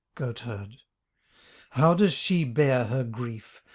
GOATHERD How does she bear her grief?